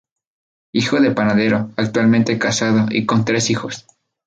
Hijo de panadero, actualmente casado y con tres hijos.